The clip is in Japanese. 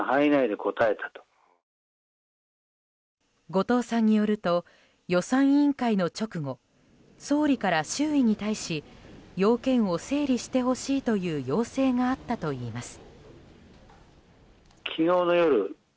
後藤さんによると予算委員会の直後総理から、周囲に対し要件を整理してほしいという要請があったといいます。